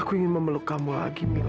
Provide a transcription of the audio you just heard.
aku ingin memeluk kamu lagi